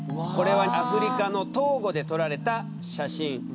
これはアフリカのトーゴで撮られた写真。